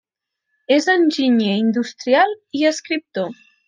És enginyer industrial i escriptor.